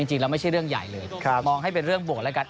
จริงแล้วไม่ใช่เรื่องใหญ่เลยมองให้เป็นเรื่องบวกแล้วกัน